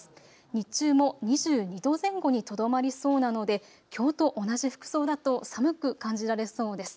日中も２２度前後にとどまりそうなのできょうと同じ服装だと寒く感じられそうです。